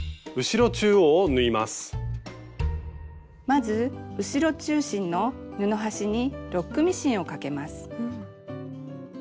まず後ろ中心の布端にロックミシンをかけます。